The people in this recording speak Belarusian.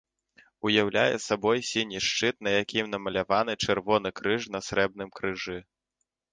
Уяўляе сабой сіні шчыт, на якім намаляваны чырвоны крыж на срэбным крыжы.